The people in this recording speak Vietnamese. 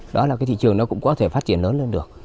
đó là cái thị trường nó cũng có thể phát triển lớn lên được